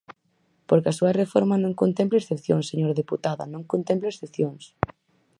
Porque a súa reforma non contempla excepcións, señora deputada, non contempla excepcións.